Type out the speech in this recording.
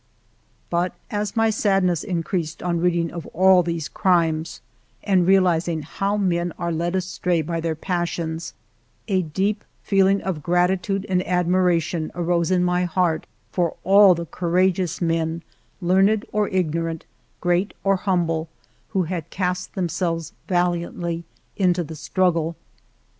But as my sadness increased on reading of all these crimes and realizing how men are led astray by their passions, a deep feeling of gratitude and admiration arose in my heart for all the courageous men, learned or ignorant, great or humble, who had cast themselves vaHantly into the struggle.